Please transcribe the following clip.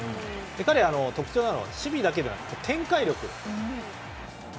彼の特徴は守備だけでなくて展開力。